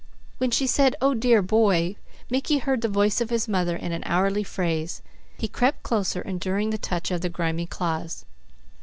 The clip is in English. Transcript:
When she said "Oh dear boy," Mickey heard the voice of his mother in an hourly phrase. He crept closer, enduring the touch of the grimy claws.